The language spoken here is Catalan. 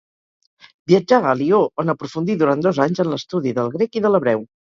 Viatjà a Lió, on aprofundí durant dos anys en l'estudi del grec i de l'hebreu.